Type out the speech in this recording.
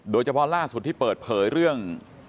โดยเฉพาะล่าสุดที่เปิดเผยเรื่อง